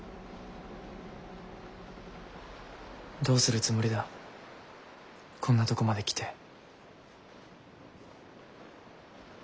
どうするつもりだこんなとこまで来て。